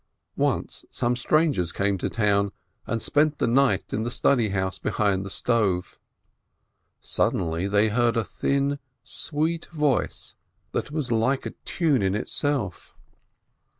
Once some strangers came to the town, and spent the night in the house of study behind the stove. Sud denly they heard a thin, sweet voice that was like a tune in itself.